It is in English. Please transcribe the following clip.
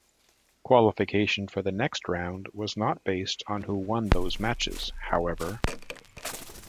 Qualification for the next round was not based on who won those matches, however.